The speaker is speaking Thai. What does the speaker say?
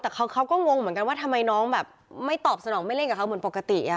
แต่เขาก็งงเหมือนกันว่าทำไมน้องแบบไม่ตอบสนองไม่เล่นกับเขาเหมือนปกติ